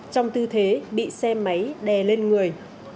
trong tư thế bị xe máy đè lên người